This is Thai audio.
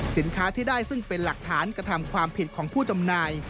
สินค้าที่ได้ซึ่งเป็นหลักฐานกระทำความผิดของผู้จำหน่าย